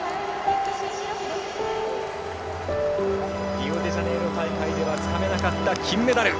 リオデジャネイロ大会ではつかめなかった金メダル。